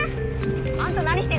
あんた何してんの？